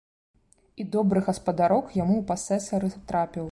І добры гаспадарок яму ў пасэсары трапіў.